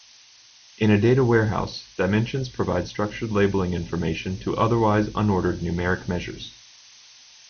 In a data warehouse, dimensions provide structured labeling information to otherwise unordered numeric measures.